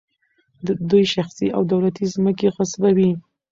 دوی شخصي او دولتي ځمکې غصبوي.